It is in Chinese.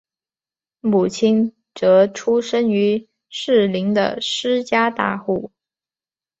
母亲则出身于士林的施家大户。